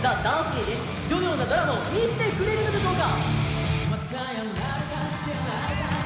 全国の、どのようなドラマを見せてくれるのでしょうか？